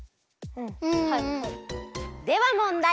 ではもんだい！